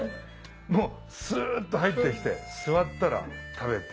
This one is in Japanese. もうスっと入ってきて座ったら食べて。